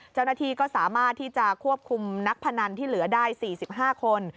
เจ้าหน้าที่ก็สามารถที่จะควบคุมนักพนันที่เหลือได้๔๕คน